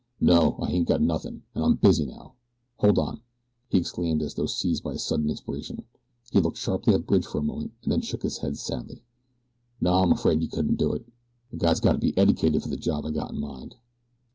NO, I hain't got nothin', an' I'm busy now. Hold on!" he exclaimed as though seized by a sudden inspiration. He looked sharply at Bridge for a moment and then shook his head sadly. "No, I'm afraid you couldn't do it a guy's got to be eddicated for the job I got in mind."